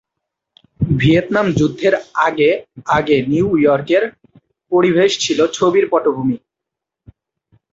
Vietnam যুদ্ধের আগে আগে নিউ ইয়র্কের পরিবেশ ছিল ছবির পটভূমি।